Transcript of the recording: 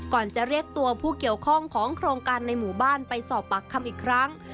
จะเรียกตัวผู้เกี่ยวข้องของโครงการในหมู่บ้านไปสอบปากคำอีกครั้ง